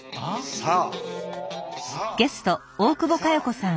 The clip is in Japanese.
さあ！